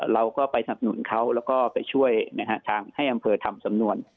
เราก็ไปสนับหนุนเขาแล้วก็ไปช่วยนะฮะทางให้อำเภอทำสำนวน